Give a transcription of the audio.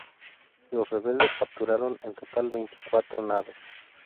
Los rebeldes capturaron en total veinticuatro naves.